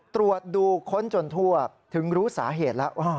ตรวจดูค้นจนทั่วถึงรู้สาเหตุแล้ว